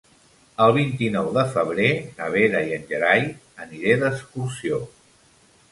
El vint-i-nou de febrer na Vera i en Gerai aniré d'excursió.